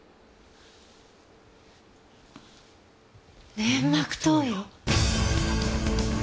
粘膜投与！